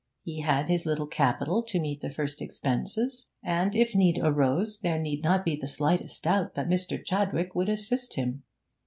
He had his little capital to meet the first expenses, and if need arose there need not be the slightest doubt that Mr. Chadwick would assist him.